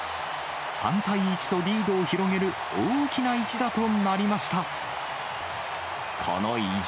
３対１とリードを広げる大きな一打となりました。